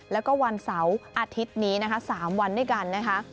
แล้วก็วันเสาร์อาทิตย์นี้นะคะ๓วันด้วยกันนะคะ